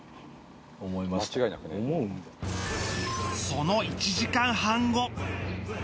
その１時間半後